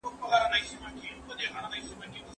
زه دي لکه سیوری درسره یمه پل نه لرم